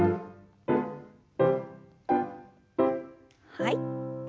はい。